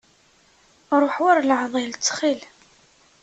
Ruḥ war leɛḍil, ttxil.